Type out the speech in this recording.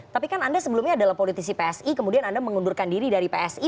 tapi kan anda sebelumnya adalah politisi psi kemudian anda mengundurkan diri dari psi